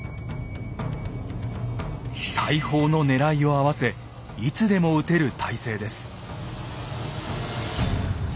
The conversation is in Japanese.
大砲の狙いを合わせいつでも撃てる態勢です。